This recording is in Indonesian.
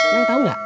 neng tau gak